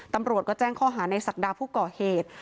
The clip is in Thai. ตำรวจก็แจ้งข้อหาในศักดาผู้ก่อเหตุ